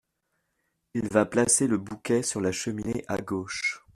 Il va placer le bouquet sur la cheminée à gauche.